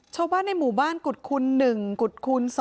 ชาวบ้านในหมู่บ้านกุฎคุณ๑กุฎคุณ๒